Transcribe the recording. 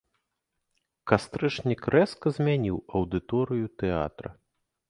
Кастрычнік рэзка змяніў аўдыторыю тэатра.